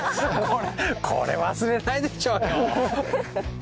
これ忘れないでしょうよ。